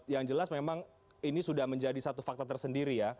yang jelas memang ini sudah menjadi satu fakta tersendiri ya